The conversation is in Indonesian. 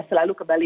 selalu ke bali